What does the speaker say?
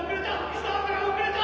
スタートが遅れた！